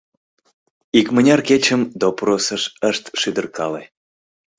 Икмыняр кечым допросыш ышт шӱдыркале.